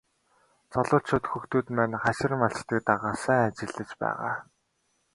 Залуучууд хүүхдүүд маань хашир малчдыг дагаад сайн ажиллаж байгаа.